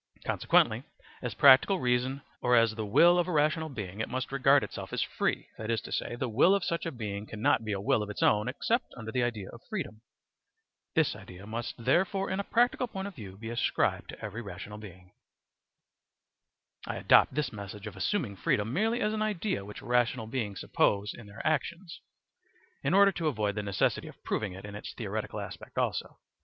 Consequently as practical reason or as the will of a rational being it must regard itself as free, that is to say, the will of such a being cannot be a will of its own except under the idea of freedom. This idea must therefore in a practical point of view be ascribed to every rational being. * I adopt this method of assuming freedom merely as an idea which rational beings suppose in their actions, in order to avoid the necessity of proving it in its theoretical aspect also.